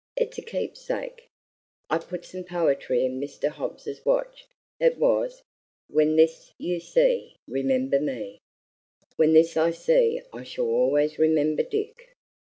It's a keepsake. I put some poetry in Mr. Hobbs's watch. It was, 'When this you see, remember me.' When this I see, I shall always remember Dick."